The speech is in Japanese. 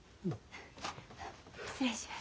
失礼します。